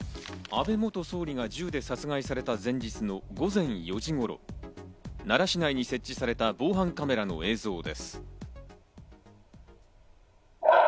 安倍元総理が銃で殺害された前日の午前４時頃、奈良市内に設置された防犯カメラの映像です。